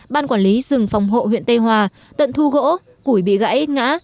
ban quản lý rừng phòng hộ huyện tây hòa tận thu gỗ củi bị gãy ngã